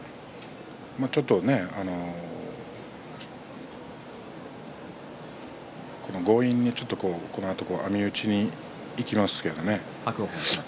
ちょっと強引に網打ちにいきますけれどもね。